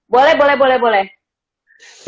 boleh boleh boleh boleh